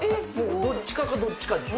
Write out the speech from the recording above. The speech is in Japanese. どっちかとどっちかでしょ。